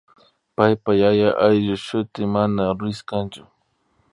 paypa yaya ayllushuti mana Ruíz kanchu